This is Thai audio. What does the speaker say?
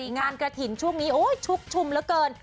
งานกระถิ่นช่วงนี้โอ้ยชุกชุมเหลือเกิน